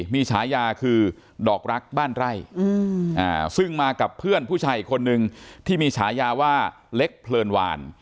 มีฉายาคือดอกรักบ้านไร่ซึ่งมากับเพื่อนผู้ชายอีกคนนึงที่มีฉายาว่าเล็กเพลินวาน